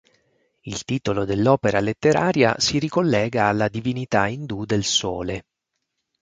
Il titolo dell'opera letteraria si ricollega alla divinità indù del sole.